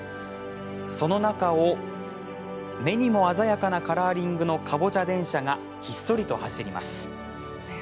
その中を、目にも鮮やかなカラーリングのかぼちゃ電車がひっそりと走ります。